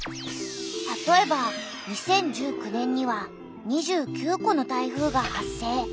たとえば２０１９年には２９個の台風が発生。